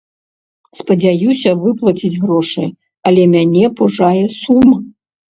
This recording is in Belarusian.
Спадзяюся выплаціць грошы, але мяне пужае сума.